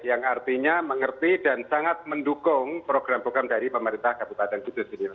yang artinya mengerti dan sangat mendukung program program dari pemerintah kabupaten kudus ini